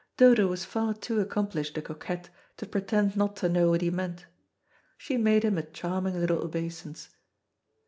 Dodo was far too accomplished a coquette to pretend not to know what he meant. She made him a charming little obeisance.